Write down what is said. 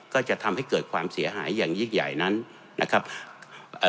ก็จะทำให้เกิดความเสียหายอย่างยิ่งใหญ่นั้นนะครับเอ่อ